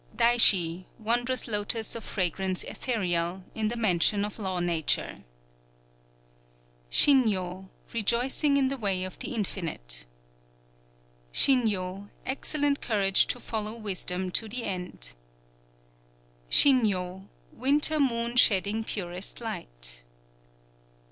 _ Daishi, Wondrous Lotos of Fragrance Etherial, in the Mansion of Law Nature. Shinnyo, Rejoicing in the Way of the Infinite. Shinnyo, Excellent Courage to follow Wisdom to the End. _Shinnyo, Winter Moon shedding purest Light.